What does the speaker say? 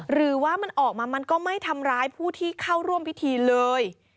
หรือว่ามันออกมามันก็ไม่ทำร้ายผู้ที่เข้าร่วมพิธีเลย